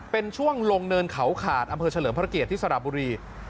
เป็นช่วงลงเนินเขาขาดอำเภอเฉลิมพระเกียรติที่สระบุรี